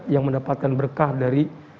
yang mendapatkan berkah dari